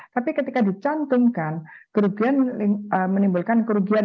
tapi ketika dicantumkan kerugian menimbulkan kerugian